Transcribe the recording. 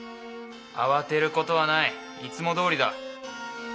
慌てることはない。いつもどおりだ。